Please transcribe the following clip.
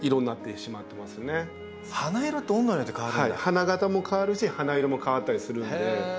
花形も変わるし花色も変わったりするんで。